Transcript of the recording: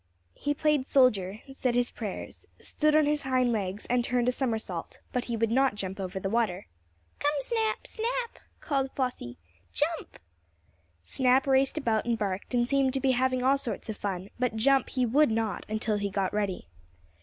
He played soldier, said his prayers, stood on his hind legs, and turned a somersault. But he would not jump over the water. "Come, Snap, Snap!" called Flossie. "Jump!" Snap raced about and barked, and seemed to be having all sorts of fun, but jump he would not until he got ready.